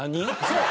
そう！